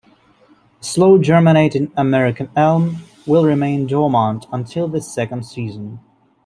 Slow-germinating American Elm will remain dormant until the second season.